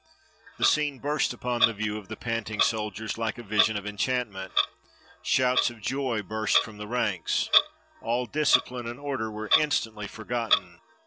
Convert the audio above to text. The scene burst upon the view of the pant ing soldiers Hke a vision of enchantment. Shouts of joy burst from the ranks. All discipline and order were instantly forgotten.